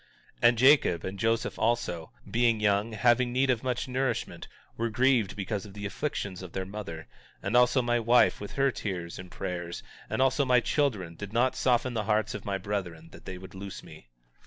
18:19 And Jacob and Joseph also, being young, having need of much nourishment, were grieved because of the afflictions of their mother; and also my wife with her tears and prayers, and also my children, did not soften the hearts of my brethren that they would loose me.